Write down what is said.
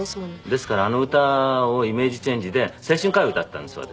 ですからあの歌をイメージチェンジで青春歌謡を歌ったんです私。